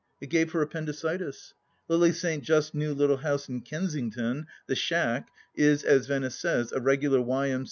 It gave her appendicitis. Lily St. Just's new little house in Kensington, " The Schack," is, as Venice says, a regular Y.M.